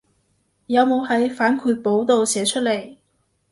有冇喺反饋簿度寫出來